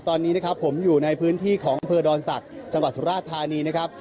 ตอนนี้ผมอยู่ในพื้นที่ของปือดอนศักรณ์จังหวัดสุราธารณีนะครับ